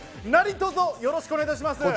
何卒、よろしくお願いいたします。